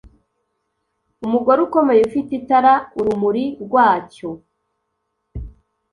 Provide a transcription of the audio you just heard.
umugore ukomeye ufite itara, urumuri rwacyo